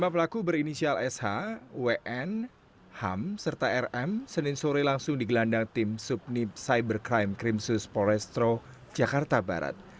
lima pelaku berinisial sh wn ham serta rm senin sore langsung digelandang tim subnip cybercrime crimsus polrestro jakarta barat